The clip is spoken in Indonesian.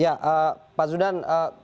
ya pak zuldan